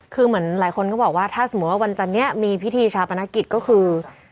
คือเหมือนหลายคนก็บอกว่าถ้าสมมุติว่าวันจันนี้มีพิธีชาปนกิจก็คือ